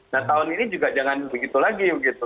nah tahun ini juga jangan begitu lagi begitu